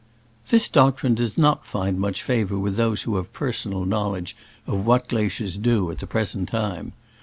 This doctrine does not find much favor with those who have personal knowledge of what glaciers do at the present time.